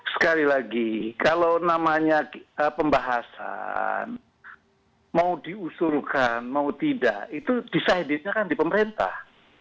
sekali lagi kalau namanya pembahasan mau diusulkan mau tidak itu decidednya kan di pemerintah